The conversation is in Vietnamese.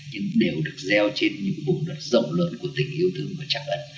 nhưng đều được gieo trên những bụng đất rộng lợn của tình yêu thương và chắc ấn